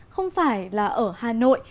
không phải là ở hà nội